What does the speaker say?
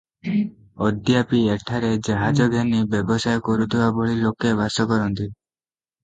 ଅଦ୍ୟାପି ଏଠାରେ ଜାହାଜ ଘେନି ବ୍ୟବସାୟ କରୁଥିବା ଭଳି ଲୋକେ ବାସ କରନ୍ତି ।